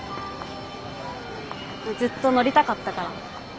ずっと乗りたかったから。